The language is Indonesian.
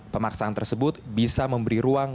pemaksaan tersebut bisa memberi ruang